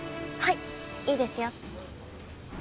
はいいいですよ